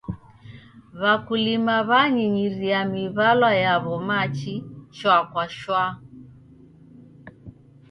W'akulima w'anyinyiria miw'alwa yaw'o machi shwaa kwa shwaa.